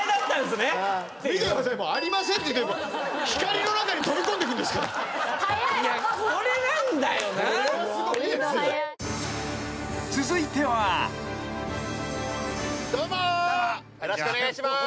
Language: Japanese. よろしくお願いします。